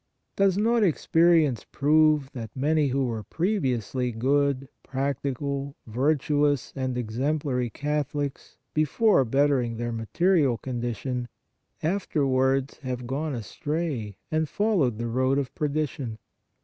Does not experience prove that many who were previously good, practical, virtuous and exemplary Catholics before bettering their material condition, afterwards have gone astray and followed the road of perdition?